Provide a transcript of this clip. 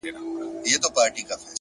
هره هڅه د شخصیت انعکاس دی